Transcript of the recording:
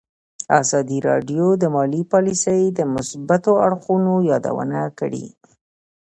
ازادي راډیو د مالي پالیسي د مثبتو اړخونو یادونه کړې.